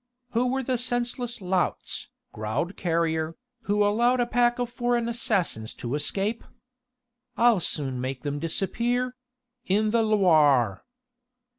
"Who were the senseless louts," growled Carrier, "who allowed a pack of foreign assassins to escape? I'll soon make them disappear ... in the Loire."